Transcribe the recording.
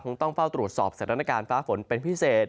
ต้องเฝ้าตรวจสอบสถานการณ์ฟ้าฝนเป็นพิเศษ